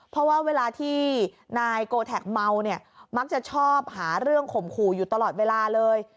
เพราะว่าเวลาที่นายโกแท็กเมาเนี่ยมักจะชอบหาเรื่องข่มขู่อยู่ตลอดเวลาเลย